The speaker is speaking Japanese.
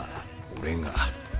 「俺が」。